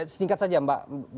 sitingkat saja mbak